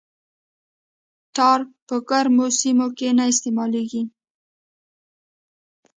ټار په ګرمو سیمو کې نه استعمالیږي